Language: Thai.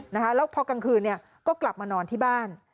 แล้วพอกลางคืนเนี่ยก็กลับมานอนที่บ้าน